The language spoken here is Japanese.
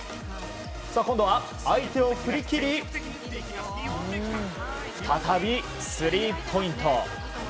今度は相手を振り切り再びスリーポイント。